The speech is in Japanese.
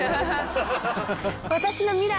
「私の未来！」